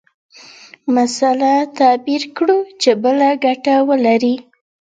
مسأله تعبیر کړو چې بل ګټه ولري.